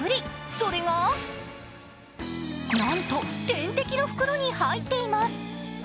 それがなんと点滴の袋に入っています。